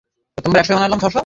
মিমি জি, এটা একটা নতুন পদ্ধতি।